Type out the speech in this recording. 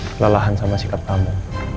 kelelahan sama sikap kamu